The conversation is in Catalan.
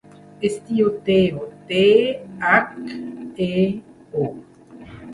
Es diu Theo: te, hac, e, o.